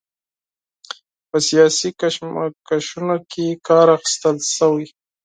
په سیاسي کشمکشونو کې کار اخیستل شوی.